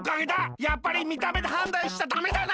やっぱりみためではんだんしちゃダメだな！